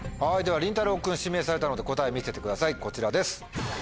りんたろう君指名されたので答え見せてくださいこちらです。